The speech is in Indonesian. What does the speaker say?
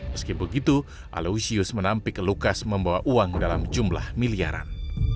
meski begitu aloysius menampik lukas membawa uang dalam jumlah miliaran